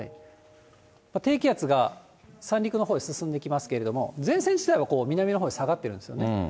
低気圧が三陸のほうへ進んできますけれども、前線自体は南のほうに下がってるんですよね。